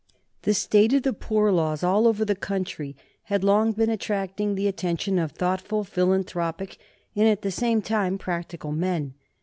The state of the poor laws all over the country had long been attracting the attention of thoughtful, philanthropic, and at the same time practical men.